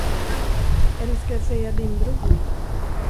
Eller ska jag säga "din bror"?